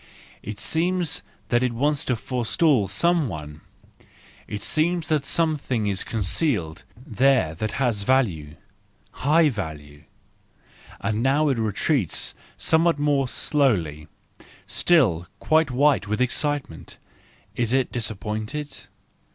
It seems that it wants to forestall some one ; it seems that some¬ thing is concealed there that has value, high value. —And now it retreats somewhat more slowly, still quite white with excitement,—is it disappointed?